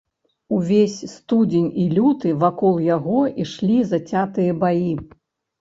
Увесь студзень і люты вакол яго ішлі зацятыя баі.